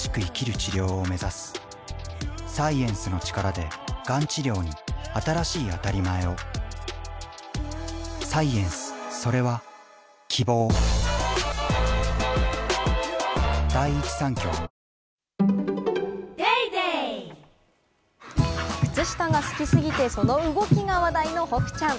治療を目指すサイエンスの力でがん治療に新しいあたりまえを靴下が好きすぎて、その動きが話題のほくちゃん。